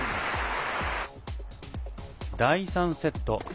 第３セット。